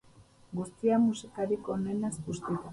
Guztia, musikarik onenaz bustita.